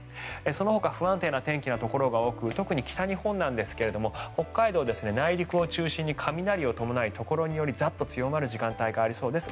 そのほか不安定な天気のところが多く、特に北日本ですが北海道内陸を中心に雷を伴いところによりザッと強まる時間帯がありそうです